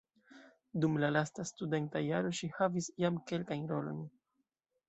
Dum la lasta studenta jaro ŝi havis jam kelkajn rolojn.